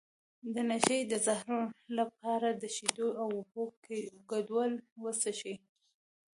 د نشې د زهرو لپاره د شیدو او اوبو ګډول وڅښئ